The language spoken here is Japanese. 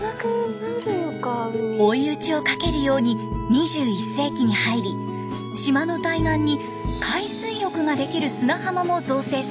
追い打ちをかけるように２１世紀に入り島の対岸に海水浴ができる砂浜も造成されました。